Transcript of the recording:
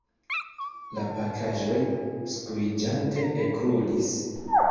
La pakaĵoj skuiĝante ekrulis.